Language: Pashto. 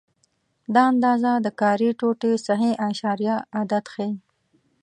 دا اندازه د کاري ټوټې صحیح اعشاریه عدد ښيي.